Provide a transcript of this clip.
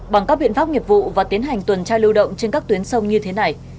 bằng các biện pháp nghiệp vụ và tiến hành tuần tra lưu động trên các tuyến sông như thế này